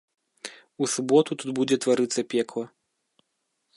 У суботу тут будзе тварыцца пекла.